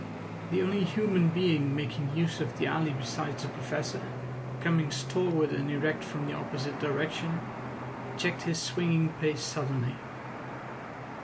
The only human being making use of the alley besides the Professor, coming stalwart and erect from the opposite direction, checked his swinging pace suddenly.